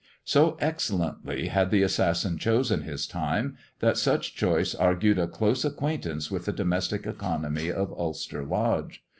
So excellently had the assassin chosen his time, that such choice argued a close acquaintance with the domestic economy of Ulster Lodge.